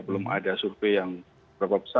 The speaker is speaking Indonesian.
belum ada survei yang berapa besar